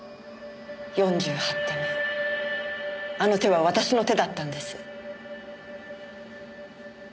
４８手目あの手は私の手だったんです。